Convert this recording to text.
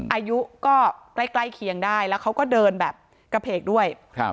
อายุก็ใกล้เคียงได้แล้วเขาก็เดินแบบกระเพกด้วยครับ